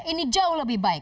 ini jauh lebih baik